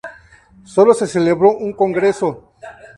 Solo se celebró un congreso.